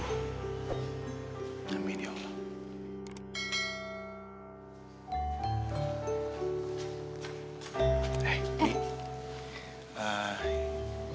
amin ya allah